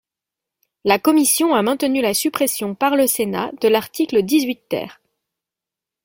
La commission a maintenu la suppression par le Sénat de l’article dix-huit ter.